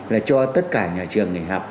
là cho tất cả nhà trường nghỉ học